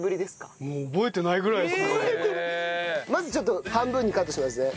まずちょっと半分にカットしますね。